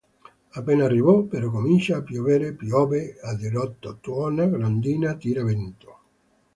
Appena arrivo, però, comincia a piovere: piove a dirotto, tuona, grandina, tira vento.